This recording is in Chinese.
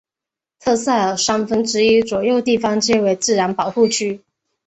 特塞尔三分之一左右地方皆为自然保护区。